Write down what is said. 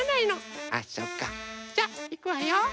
じゃあいくわよ。